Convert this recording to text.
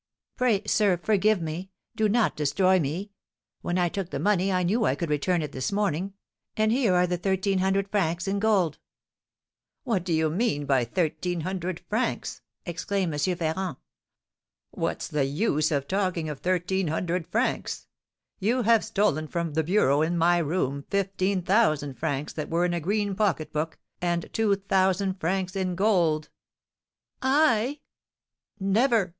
Pray, sir, forgive me, do not destroy me! When I took the money I knew I could return it this morning; and here are the thirteen hundred francs in gold.' 'What do you mean by thirteen hundred francs?' exclaimed M. Ferrand; 'what's the use of talking of thirteen hundred francs? You have stolen, from the bureau in my room, fifteen thousand francs that were in a green pocket book, and two thousand francs in gold.' 'I? Never!'